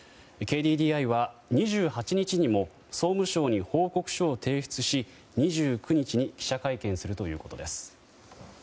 ＫＤＤＩは２８日にも総務省に報告書を提出し２９日に記者会見するということです。